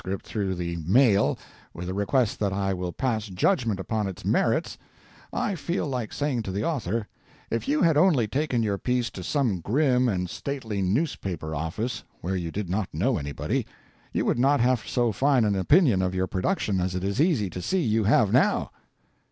through the mail, with a request that I will pass judgment upon its merits, I feel like saying to the author, "If you had only taken your piece to some grim and stately newspaper office, where you did not know anybody, you would not have so fine an opinion of your production as it is easy to see you have now."